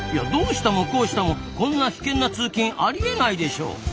どうしたもこうしたもこんな危険な通勤ありえないでしょ！